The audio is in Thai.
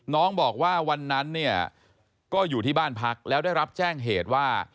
น้องบอกว่าวันนั้นเนี่ยก็อยู่ที่บ้านพักแล้วได้รับแจ้งเหตุว่า